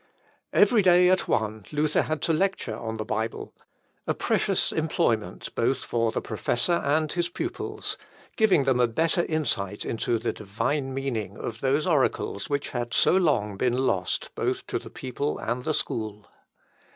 Every day at one, Luther had to lecture on the Bible, a precious employment both for the professor and his pupils giving them a better insight into the divine meaning of those oracles which had so long been lost both to the people and the school.